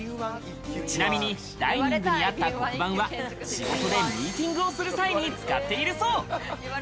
ちなみにダイニングにあった黒板は、仕事でミーティングをする際に使っているそう。